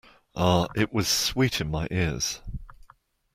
Ah, it was sweet in my ears.